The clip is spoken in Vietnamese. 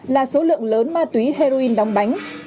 là số lượng lớn ma túy heroin đóng bánh